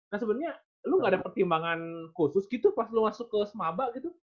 nah sebenarnya lu gak ada pertimbangan khusus gitu pas lo masuk ke semaba gitu